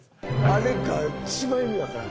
あれが一番意味わからん。